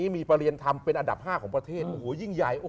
มีประเรียนธรรมเป็นอันดับ๕ของประเทศโอ้โหยิ่งใหญ่